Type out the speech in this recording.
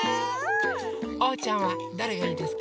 おうちゃんはどれがいいですか？